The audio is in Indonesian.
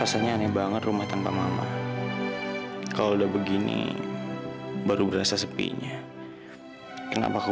rasanya aneh banget rumah tanpa mama kalau udah begini baru berasa sepinya kenapa kau